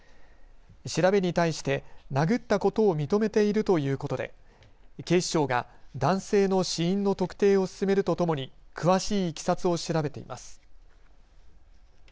調べに対して殴ったことを認めているということで警視庁が男性の死因の特定を進めるとともに詳しいいきさつを調べています。